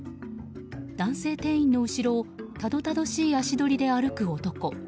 男性店員の後ろをたどたどしい足取りで歩く男。